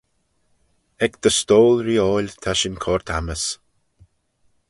Ec dty stoyl-reeoil ta shin coyrt ammys.